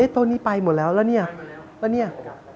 ตัวนี้ไปหมดแล้วแล้วเนี่ย